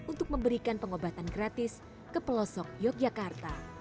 untuk memberikan pengobatan gratis ke pelosok yogyakarta